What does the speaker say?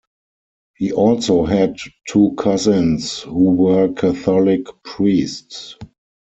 He also had two cousins who were Catholic priests.